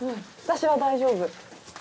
私は大丈夫。